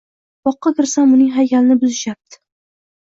Boqqa kirsam, uning haykalini buzishyapti